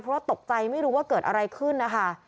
เพราะว่าตกใจไม่รู้ว่าเกิดอะไรขึ้นนะคะ